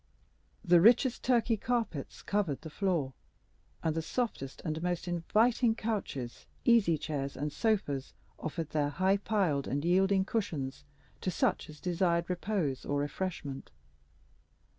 The richest Turkey carpets covered the floor, and the softest and most inviting couches, easy chairs, and sofas, offered their high piled and yielding cushions to such as desired repose or refreshment.